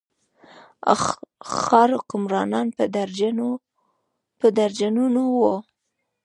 ښار حکمرانان په درجنونو وو.